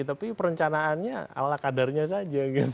tapi perencanaannya ala kadarnya saja